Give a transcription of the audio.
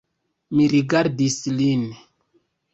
Mi rigardis lin.